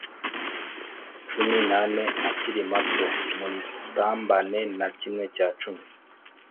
Cumi n ane akiri mato muyitambane na kimwe cya cumi